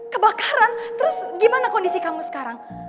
kebakaran terus gimana kondisi kamu sekarang